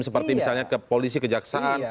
seperti misalnya ke polisi kejaksaan